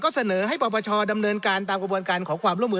ก็เสนอให้ประวัติศาสตร์ดำเนินการตามกระบวนการขอความร่วมมือ